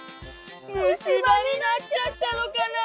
むしばになっちゃったのかなあ？